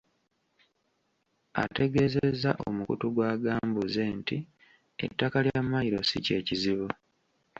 Ategeezezza omukutu gwa Gambuuze nti ettaka lya mayiro si kye kizibu.